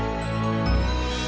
jadi baru bisa gabung